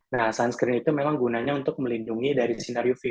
nah sunscreen itu memang gunanya untuk melindungi dari sinar uv